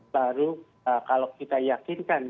baru kalau kita yakinkan